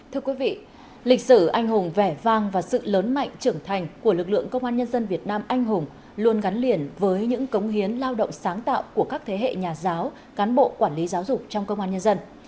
thưa quý vị lịch sử anh hùng vẻ vang và sự lớn mạnh trưởng thành của lực lượng công an nhân dân việt nam anh hùng luôn gắn liền với những cống hiến lao động sáng tạo của các thế hệ nhà giáo cán bộ quản lý giáo dục trong công an nhân dân